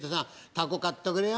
凧買っとくれよ！